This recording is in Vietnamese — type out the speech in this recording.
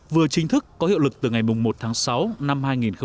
vừa chính thức có hiệu lực từ ngày một tháng sáu năm hai nghìn một mươi bảy